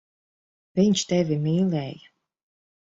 Viņš tevi mīlēja.